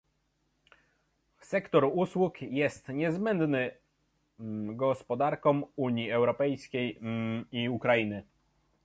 Sektor usług jest niezbędny gospodarkom Unii Europejskiej i Ukrainy